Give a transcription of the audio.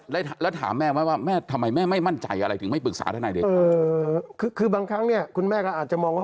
แล้วถามแม่ไหมว่าทำไมแม่ไม่มั่นใจอะไรถึงไม่ปรึกษาทนายเดชา